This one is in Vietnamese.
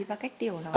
và cách điệu nó